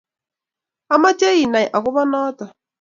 amoche inai akobo noto.